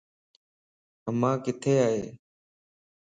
امان ڪٿي ائي